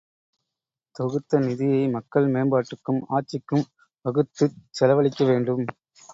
தொகுத்த நிதியை மக்கள் மேம்பாட்டுக்கும் ஆட்சிக்கும் வகுத்துச் செலவழிக்க வேண்டும்.